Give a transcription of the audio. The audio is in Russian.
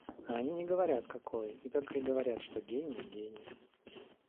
А они не говорят, какой, и только и говорят, что гений и гений.